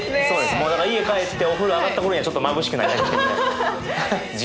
だから家帰ってお風呂上がった頃にはちょっとまぶしくなりかけてるみたいな。